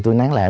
tôi nán lại